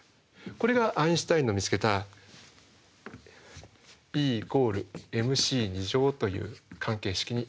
これがアインシュタインの見つけたＥ＝ｍｃという関係式になります。